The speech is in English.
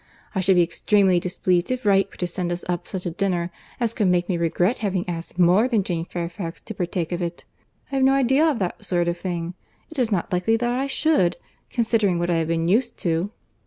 —I should be extremely displeased if Wright were to send us up such a dinner, as could make me regret having asked more than Jane Fairfax to partake of it. I have no idea of that sort of thing. It is not likely that I should, considering what I have been used to.